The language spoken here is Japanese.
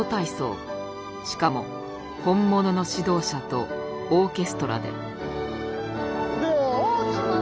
しかも本物の指導者とオーケストラで。